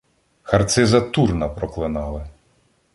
Харциза Турна проклинали.